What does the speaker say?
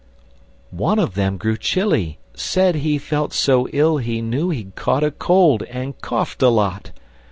One of them grew chilly; Said he felt so ill he Knew he'd caught a cold, and coughed a lot!